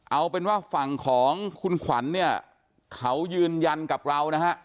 เอาเป็นว่าฝั่งของคุณขวัญเนี่ยเขายืนยันกับเรานะฮะ